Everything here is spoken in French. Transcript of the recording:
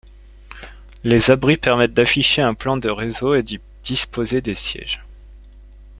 Les abris permettent d'afficher un plan de réseau et d'y disposer des sièges.